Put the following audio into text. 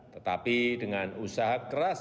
tetapi dengan kemampuan masyarakat